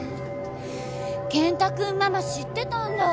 健太君ママ知ってたんだ。